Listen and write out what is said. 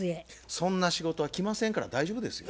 そんな仕事は来ませんから大丈夫ですよ。